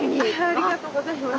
ありがとうございます。